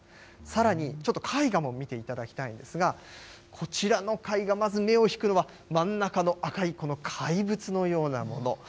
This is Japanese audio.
さらに、ちょっと絵画も見ていただきたいんですが、こちらの絵画、まず目を引くのは真ん中の赤いこの怪物のようなもの。